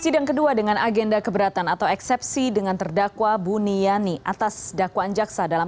sidang kedua dengan agenda keberatan atau eksepsi dengan terdakwa buniani atas dakwaan jaksa dalam